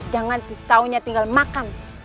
jangan ditahunya tinggal makan